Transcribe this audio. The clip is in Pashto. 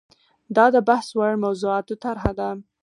دا د بحث وړ موضوعاتو طرحه ده.